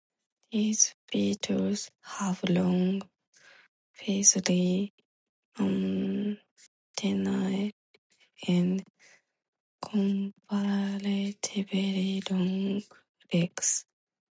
These beetles have long feathery antennae, and comparatively long legs.